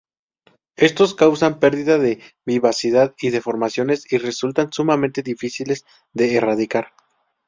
Estos causan perdida de vivacidad y deformaciones, y resultan sumamente difíciles de erradicar.